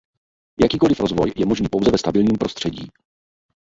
Jakýkoliv rozvoj je možný pouze ve stabilním prostředí.